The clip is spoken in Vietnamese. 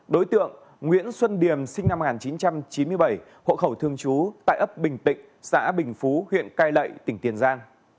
đối tượng nguyễn xuân điểm sinh năm một nghìn chín trăm chín mươi bảy hộ khẩu thường trú tại ấp bình tịnh xã bình phú huyện cai lậy tỉnh tiền giang